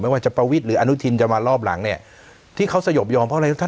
ว่าจะประวิทย์หรืออนุทินจะมารอบหลังเนี่ยที่เขาสยบยอมเพราะอะไร